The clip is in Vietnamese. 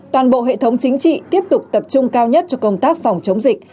toàn bộ hệ thống chính trị tiếp tục tập trung cao nhất cho công tác phòng chống dịch